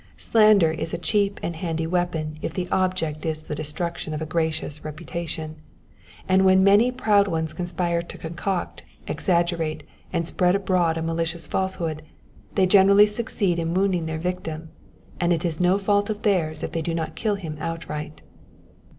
Slander is a cheap and handy weapon if the object is the destruction of a gracious reputation ; and when many proud ones conspire to concoct, exaggerate, and spread abroad a malicious falsehood, they generally succeed in wounding their victim, and it is no fault of theirs if they do not kill him outright.